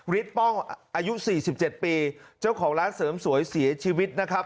ป้องอายุ๔๗ปีเจ้าของร้านเสริมสวยเสียชีวิตนะครับ